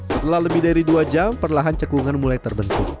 setelah lebih dari dua jam perlahan cekungan mulai terbentuk